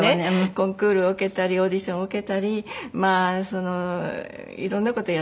コンクールを受けたりオーディションを受けたり色んな事やってたんですよね。